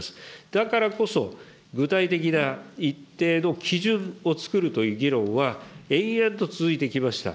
だからこそ、具体的な一定の基準をつくるという議論は延々と続いてきました。